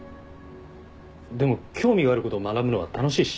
でも興味があることを学ぶのは楽しいし。